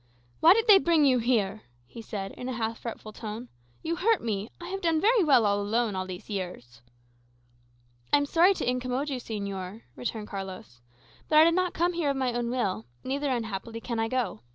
"Why did they bring you here?" he said, in a half fretful tone. "You hurt me. I have done very well alone all these years." "I am sorry to incommode you, señor," returned Carlos. "But I did not come here of my own will; neither, unhappily, can I go.